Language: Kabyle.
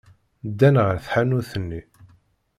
Ddan ɣer tḥanut-nni.